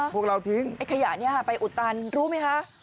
พวกเราทิ้งไอ้ขยะนี้ไปอุดตันรู้ไหมคะ